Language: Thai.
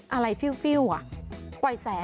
อะไรฟิวปล่อยแสง